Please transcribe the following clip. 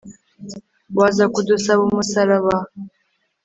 waza kudusaba umusaraba